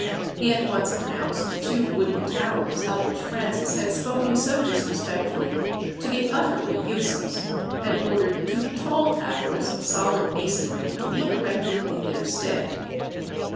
He at once pronounced the two wooden towers of which Francis had spoken so disrespectfully to be utterly useless, and ordered two tall towers, of solid masonry, to be erected in their stead.